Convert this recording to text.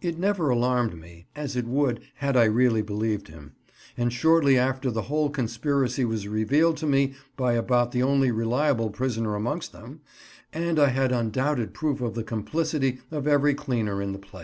It never alarmed me, as it would had I really believed him; and shortly after the whole conspiracy was revealed to me by about the only reliable prisoner amongst them, and I had undoubted proof of the complicity of every cleaner in the place.